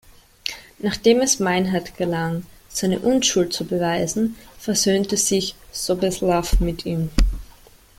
Nachdem es Meinhard gelang, seine Unschuld zu beweisen, versöhnte sich Soběslav mit ihm.